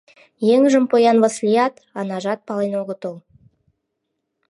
Еҥжым поян Васлият, Анажат пален огытыл.